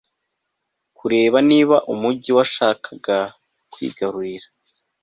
Kureba niba umujyi washakaga kwigarurira